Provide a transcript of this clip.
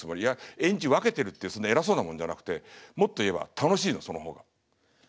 いや演じ分けてるってそんな偉そうなもんじゃなくてもっと言えば楽しいのその方が。